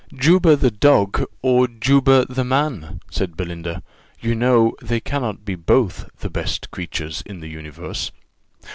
"Juba, the dog, or Juba, the man?" said Belinda: "you know, they cannot be both the best creatures in the universe."